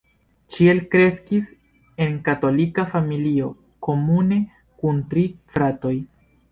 Ŝi elkreskis en katolika familio komune kun tri fratoj.